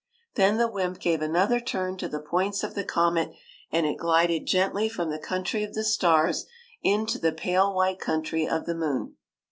Then the wymp gave another turn to the points of the comet, and it glided gently from the coun try of the stars into the pale white country of the moon.